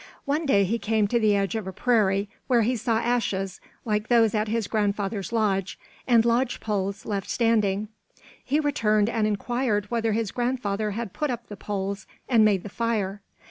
One day he came to the edge of a prairie, where he saw ashes like those at his grandfather's lodge, and lodge poles left standing. He returned and inquired whether his grandfather had put up the poles and made the fire.